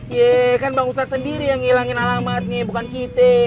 ye kan bang ustadz sendiri yang ngilangin alamat nih bukan kita